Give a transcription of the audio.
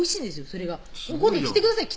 それが今度来てください